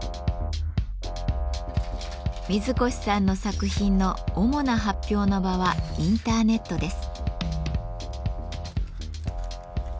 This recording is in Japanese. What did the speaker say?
水越さんの作品の主な発表の場はインターネットです。